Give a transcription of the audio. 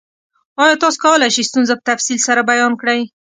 ایا تاسو کولی شئ ستونزه په تفصیل سره بیان کړئ؟